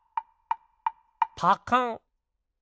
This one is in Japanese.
パカン！